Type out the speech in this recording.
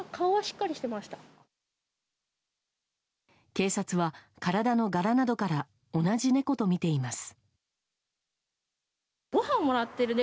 警察は体の柄などから同じ猫とみています。